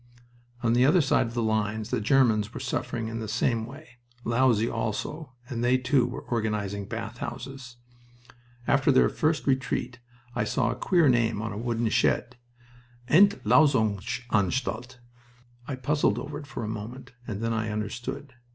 On the other side of the lines the Germans were suffering in the same way, lousy also, and they, too, were organizing bath houses. After their first retreat I saw a queer name on a wooden shed: Entlausunganstalt. I puzzled over it a moment, and then understood.